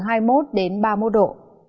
hãy đăng ký kênh để ủng hộ kênh của mình nhé